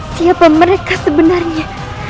siapa mereka sebenarnya